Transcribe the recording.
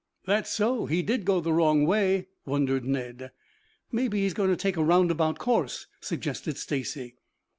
"That's so, he did go the wrong way," wondered Ned. "Maybe he's going to take a roundabout course," suggested Stacy.